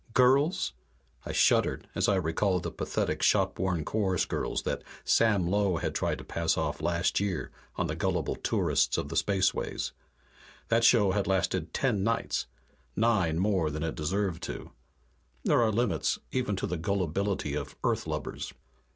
Girls?" I shuddered as I recalled the pathetic shop worn chorus girls that Sam Low had tried to pass off last year on the gullible tourists of the spaceways. That show had lasted ten nights nine more than it deserved to. There are limits, even to the gullibility of Earth lubbers.